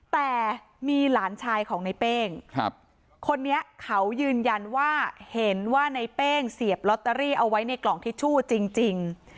แต่มีหลานชายของในเป้งคนนี้เขายืนยันว่าเห็นว่าในเป้งเสียบลอตเตอรี่เอาไว้ในกล่องทิชชู่จริง